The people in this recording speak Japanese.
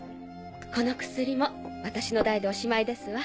この薬も私の代でおしまいですわ。